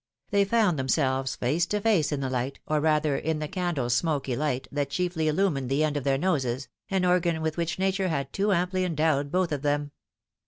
They found themselves face to face in the light, or, rather, in the candle^s smoky light, that chiefly illumined the end of their noses, an organ with which nature had too amply endowed both of them.